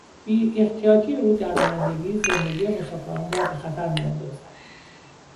بیاحتیاطی او در رانندگی زندگی مسافران را به خطر میاندازد.